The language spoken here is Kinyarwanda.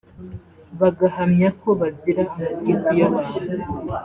bagahamya ko bazira amatiku y'abantu